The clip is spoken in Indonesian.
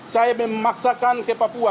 saya memaksakan ke papua